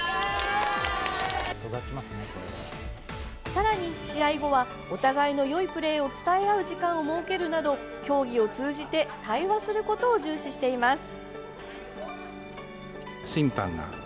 さらに、試合後はお互いのよいプレーを伝え合う時間を設けるなど競技を通じて対話することを重視しています。